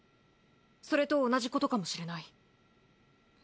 それと同じことかもしれない。